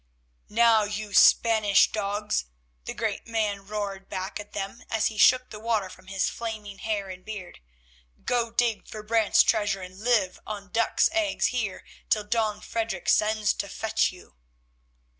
"Now, you Spanish dogs," the great man roared back at them as he shook the water from his flaming hair and beard, "go dig for Brant's treasure and live on ducks' eggs here till Don Frederic sends to fetch you."